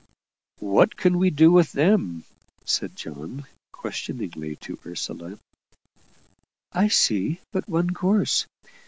"What can we do with them?" said John, questioningly to Ursula. "I see but one course.